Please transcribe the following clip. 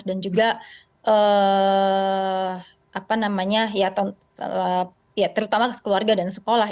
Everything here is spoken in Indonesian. dan juga apa namanya ya terutama keluarga dan sekolah